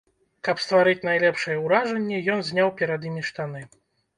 Каб стварыць найлепшае ўражанне, ён зняў перад імі штаны.